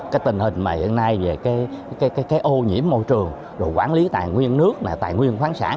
cái tình hình mà hiện nay về cái ô nhiễm môi trường rồi quản lý tài nguyên nước là tài nguyên khoáng sản